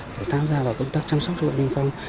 để tham gia vào công tác chăm sóc cho bệnh viện phong